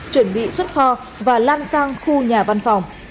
chuẩn bị xuất kho và lan sang khu nhà văn phòng